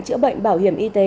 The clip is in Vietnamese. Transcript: chữa bệnh bảo hiểm y tế